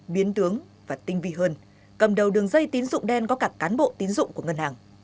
biến tướng và tinh vi hơn cầm đầu đường dây tín dụng đen có cả cán bộ tín dụng của ngân hàng